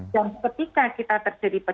dan ketika kita terjadi